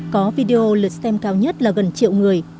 có video lượt xem cao nhất là gần triệu người